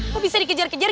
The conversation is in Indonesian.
kok bisa dikejar kejar